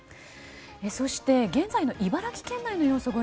そして、現在の茨城県内の様子です。